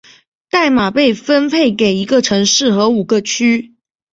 代码被分配给一个城市和五个区。